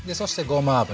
ごま油。